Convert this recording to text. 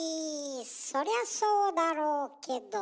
そりゃそうだろうけど。